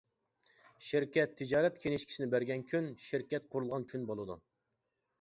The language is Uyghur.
شىركەت تىجارەت كىنىشكىسىنى بەرگەن كۈن شىركەت قۇرۇلغان كۈن بولىدۇ.